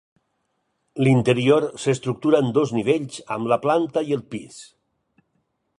L'interior s'estructura en dos nivells amb la planta i el pis.